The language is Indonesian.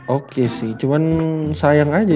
oke sih cuma sayang aja ya